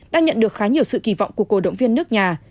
đang nhận được khá nhiều sự kỳ vọng của cổ động viên nước nhà